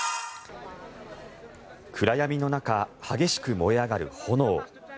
暗闇の中激しく燃え上がる炎。